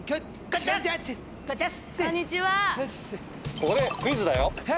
ここでクイズだよ！へ？